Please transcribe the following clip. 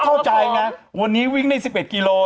เข้าใจไงวันนี้วิ่งได้๑๑กิโล